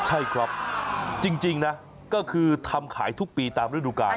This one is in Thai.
ใช่ครับจริงนะก็คือทำขายทุกปีตามฤดูกาล